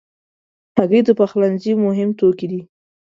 هګۍ د پخلنځي مهم توکي دي.